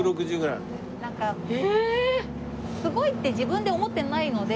なんかすごいって自分で思ってないので。